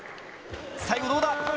最後どうだ？